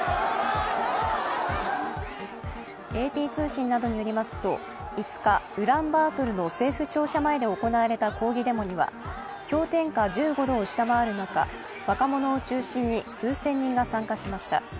ＡＰ通信などによりますと５日、ウランバートルの政府庁舎前で行われた抗議デモには氷点下１５度を下回る中、若者を中心に数千人が参加しました。